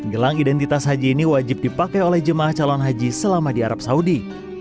gelang identitas haji ini wajib dipakai oleh jemaah calon haji selama di arab saudi